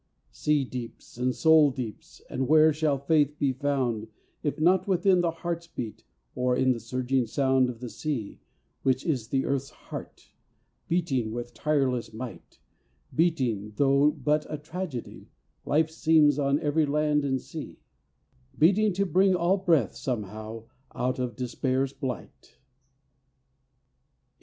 Sea deeps, and soul deeps, And where shall faith be found If not within the heart's beat Or in the surging sound Of the sea, which is the earth's heart, Beating with tireless might; Beating tho but a tragedy Life seems on every land and sea; Beating to bring all breath, somehow, Out of despair's blight.